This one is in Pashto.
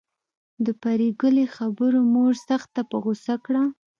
د پري ګلې خبرو مور سخته په غصه کړه